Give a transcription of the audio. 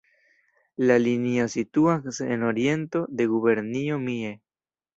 La linio situas en oriento de Gubernio Mie.